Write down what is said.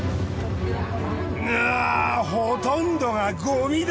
うわほとんどがごみだ！